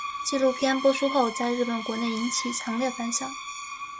纪录片播出后在日本国内引起强烈反响。